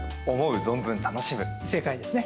正解ですね。